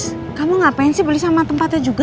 terus kamu ngapain sih beli sama tempatnya juga